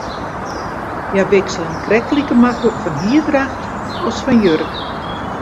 Hja wikselen krekt like maklik fan hierdracht as fan jurk.